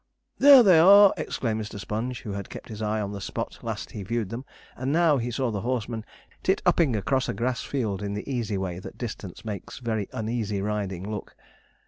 'There they are!' exclaimed Mr. Sponge, who had kept his eye on the spot he last viewed them, and now saw the horsemen titt up ing across a grass field in the easy way that distance makes very uneasy riding look.